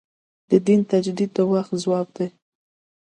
د دین تجدید د وخت ځواب دی.